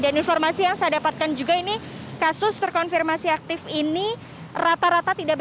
dan informasi yang saya dapatkan juga ini kasus terkonfirmasi aktif ini